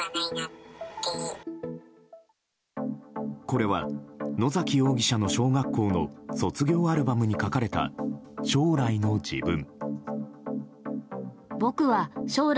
これは、野崎容疑者の小学校の卒業アルバムに書かれた将来の自分。